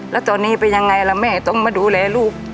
แล้วตอนนี้เป็นยังไงล่ะแม่ต้องมาดูแลลูก